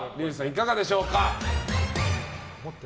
いかがでしょうか。